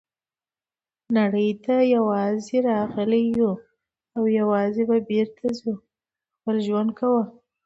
نړۍ ته یوازي راغلي یوو او یوازي به بیرته ځو نو خپل ژوند کوه.